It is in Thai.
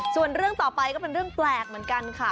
ส่วนเรื่องต่อไปก็เป็นเรื่องแปลกเหมือนกันค่ะ